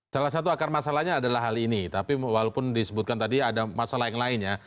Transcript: salah satu akar masalahnya adalah hal ini tapi walaupun disebutkan tadi ada masalah yang lain ya